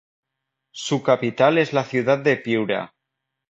Su capital es la ciudad de Piura.